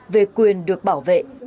về quyền được bảo vệ